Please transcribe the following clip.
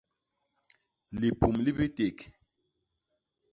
Lipum li biték.